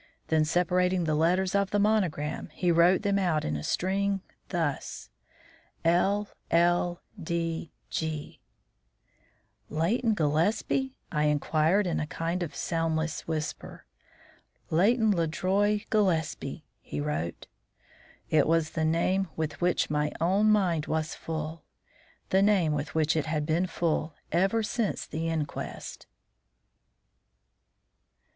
Then, separating the letters of the monogram, he wrote them out in a string, thus: L L D G "Leighton Gillespie?" I inquired in a kind of soundless whisper. "Leighton Le Droit Gillespie," he wrote. It was the name with which my own mind was full; the name with which it had been full ever since the inquest.